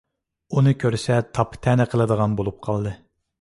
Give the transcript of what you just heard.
ئۇنى كۆرسە تاپا - تەنە قىلىدىغان بولۇپ قالدى.